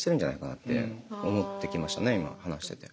今話してて。